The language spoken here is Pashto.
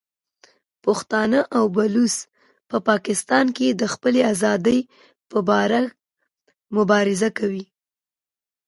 پښتانه او بلوڅ په پاکستان کې د خپلې ازادۍ په پار مبارزه کوي.